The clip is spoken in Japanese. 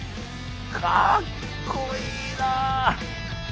かっこいいな！